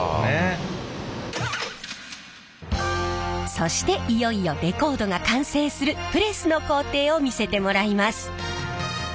そしていよいよレコードが完成するプレスの工程を見せてもらいます。